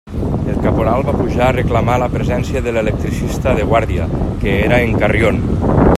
El caporal va pujar a reclamar la presència de l'electricista de guàrdia, que era en Carrión.